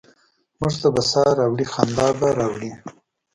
موږ ته به سا ه راوړي، خندا به راوړي؟